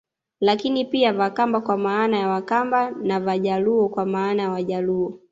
Lakini pia Vakamba kwa maana ya Wakamba na Vajaluo kwa maana ya Wajaluo